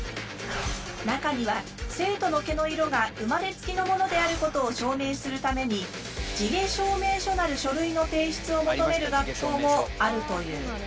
中には生徒の毛の色が生まれつきのものであることを証明するために地毛証明書なる書類の提出を求める学校もあるという。